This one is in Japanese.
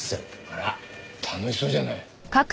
あら楽しそうじゃない。